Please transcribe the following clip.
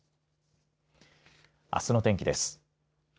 あすの天気です。